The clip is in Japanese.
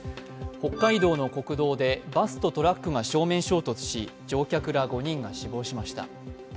北海道の国道でバスとトラックが正面衝突し乗客ら５人が死亡しました。